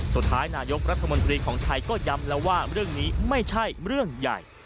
สุดท้ายนายกรัฐมนตรีของไทยก็ย้ำแล้วว่าเรื่องนี้ไม่ใช่เรื่องใหญ่